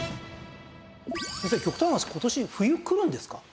先生極端な話今年冬来るんですか？